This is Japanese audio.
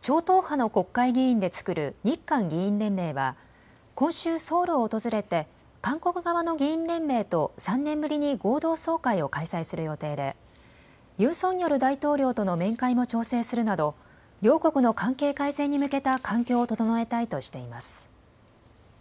超党派の国会議員で作る日韓議員連盟は今週、ソウルを訪れて韓国側の議員連盟と３年ぶりに合同総会を開催する予定でユン・ソンニョル大統領との面会も調整するなど両国の関係改善に向けた環境を整えたいとしています。